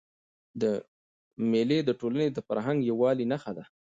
مېلې د ټولني د فرهنګي یووالي نخښه ده.